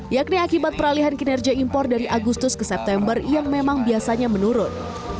yakni akibat peralihan kinerja impor dari agustus ke september yang memang biasanya menurun